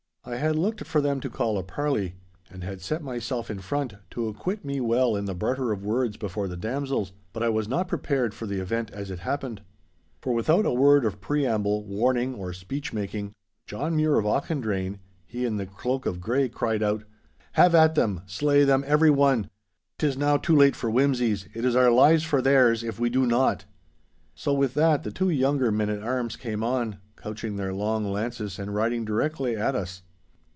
I had looked for them to call a parley, and had set myself in front to acquit me well in the barter of words before the damsels; but I was not prepared for the event as it happened. For without a word of preamble, warning or speech making, John Mure of Auchendrayne (he in the cloak of grey) cried out, 'Have at them! Slay them every one! 'Tis now too late for whimsies. It is our lives for theirs if we do not.' So with that the two younger men at arms came on, couching their long lances and riding directly at us.